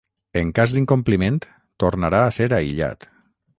En cas d’incompliment, tornarà a ser aïllat.